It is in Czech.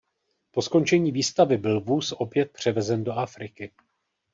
Po skončení výstavy byl vůz opět převezen do Afriky.